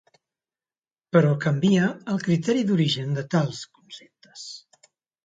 Però canvia el criteri d'origen de tals conceptes.